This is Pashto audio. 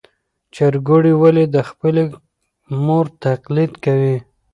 چرګوړي ولې د خپلې مور تقلید کوي؟